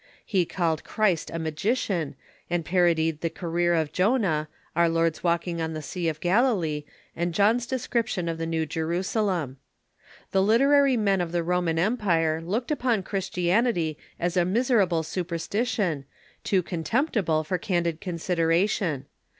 He called Christ a magician, and parodied the career of Jonah, our Lord's walking on the Sea of Galilee, and John's description of the New Jerusalem. The literary men of the Roman Empire looked upon Christi anity as a miserable superstition, too contemptible for candid consideration.